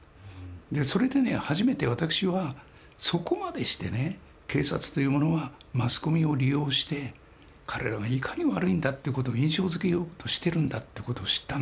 それでね初めて私はそこまでしてね警察というものはマスコミを利用して彼らがいかに悪いんだって事を印象づけようとしてるんだって事を知ったんですよ。